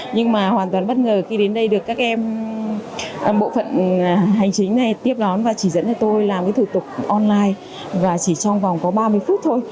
nhưng mà hoàn toàn bất ngờ khi đến đây được các em bộ phận hành chính này tiếp đón và chỉ dẫn cho tôi làm cái thủ tục online và chỉ trong vòng có ba mươi phút thôi